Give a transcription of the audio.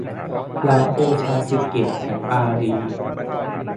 ร้านโอชาซึเกะแถวอารีย์